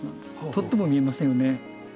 とっても見えませんよね。